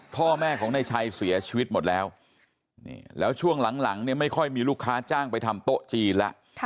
พ่อแม่ของนายชัยเสียชีวิตหมดแล้วแล้วช่วงหลังเนี่ยไม่ค่อยมีลูกค้าจ้างไปทำโต๊ะจีนแล้ว